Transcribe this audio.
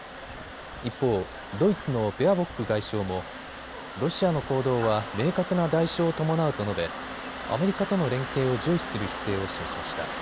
一方、ドイツのベアボック外相もロシアの行動は明確な代償を伴うと述べアメリカとの連携を重視する姿勢を示しました。